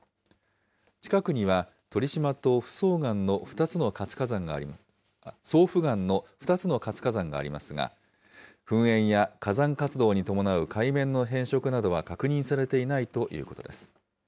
近くには、鳥島とふそうがんの２つの活火山があり、孀婦岩の２つの活火山がありますが、噴煙や火山活動に伴う海面の変色などは確認されていないということです。